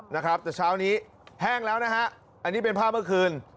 นะครับแต่เช้านี้แห้งแล้วนะฮะอันนี้เป็นภาพเมื่อคืน